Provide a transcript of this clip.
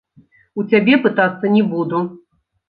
У цябе пытацца не буду.